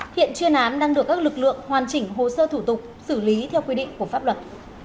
hiện chuyên án đang được các lực lượng hoàn chỉnh hồ sơ thủ tục xử lý theo quy định của pháp luật